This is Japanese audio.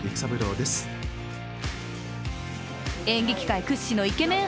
演劇界屈指のイケメン